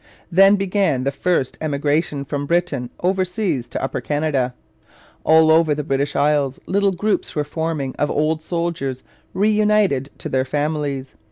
Then began the first emigration from Britain overseas to Upper Canada. All over the British Isles little groups were forming of old soldiers reunited to their families.